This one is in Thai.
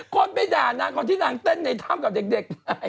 ก้อนไปห่านางอย่างที่นางเต้นในท่ำกับเด็ก